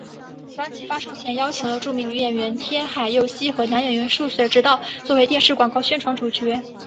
专辑发售前邀请了著名女演员天海佑希和男演员速水直道作为电视广告宣传主角。